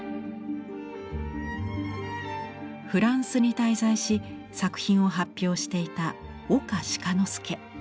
フランスに滞在し作品を発表していた岡鹿之助。